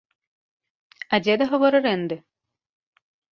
А дзе дагавор арэнды?